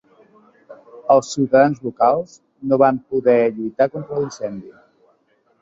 Els ciutadans locals no van poder lluitar contra l'incendi.